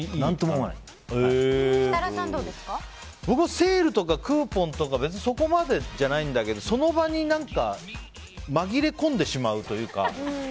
僕はセールとかクーポンとかはそこまでじゃないんだけどその場に紛れ込んでしまうというか。